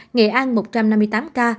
nghệ an một trăm năm mươi tám ca